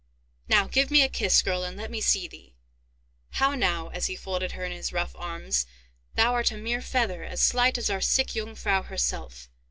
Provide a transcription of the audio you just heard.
Now, give me a kiss, girl, and let me see thee! How now!" as he folded her in his rough arms; "thou art a mere feather, as slight as our sick Jungfrau herself."